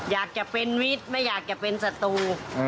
อยากจะเป็นมิตรไม่อยากจะเป็นศัตรู